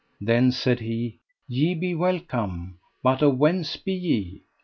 Then said he: Ye be welcome, but of whence be ye?